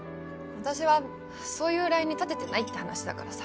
私はそういうラインに立ててないって話だからさ